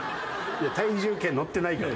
体重計乗ってないから。